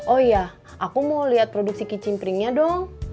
oh iya aku mau liat produksi kicim pringnya dong